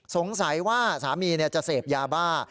สงสัยว่าสามีจะเสพยาบ้า